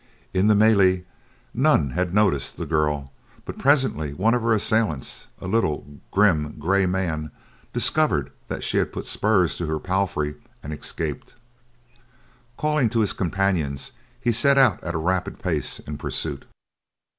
In the melee, none had noticed the girl, but presently one of her assailants, a little, grim, gray man, discovered that she had put spurs to her palfrey and escaped. Calling to his companions he set out at a rapid pace in pursuit.